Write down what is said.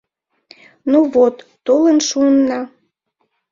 Ну вот, толын шуынна.